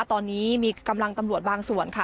ตอนนี้มีกำลังตำรวจบางส่วนค่ะ